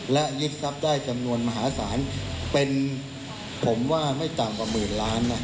และยึดทรัพย์ได้จำนวนมหาศาลเป็นผมว่าไม่ต่ำกว่าหมื่นล้านนะ